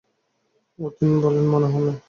অতীন বললে, মনোহর নয়।